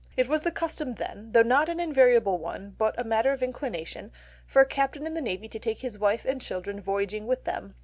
It was the custom then—though not an invariable one but a matter of inclination—for a captain in the Navy to take his wife and children voyaging with him.